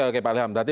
oke pak ilham berarti